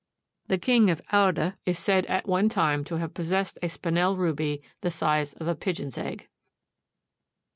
The King of Oude is said at one time to have possessed a Spinel ruby the size of a pigeon's egg.